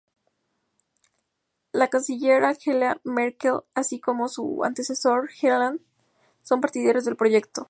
La canciller Angela Merkel, así como su antecesor Gerhard Schröder, son partidarios del proyecto.